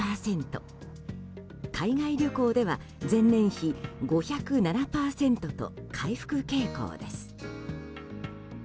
海外旅行では前年比５０７％と回復傾向です。